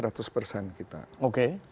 karena tadi seperti dikatakan